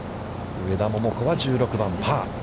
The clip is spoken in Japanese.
上田桃子は１６番パー。